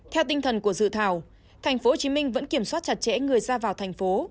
theo tinh thần của dự thảo tp hcm vẫn kiểm soát chặt chẽ người ra vào thành phố